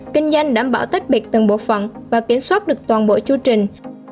kinh doanh đảm bảo tách biệt từng bộ phận và kiểm soát được toàn bộ chư trình